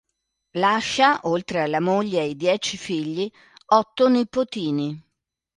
Lascia, oltre alla moglie e ai dieci figli, otto nipotini.